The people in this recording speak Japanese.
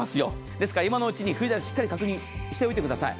ですから、今のうちにフリーダイヤルしっかり確認しておいてください。